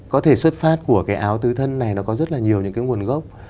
có thể xuất phát của cái áo tứ thân này nó có rất là nhiều những cái nguồn gốc